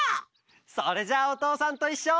それじゃあ「おとうさんといっしょ」。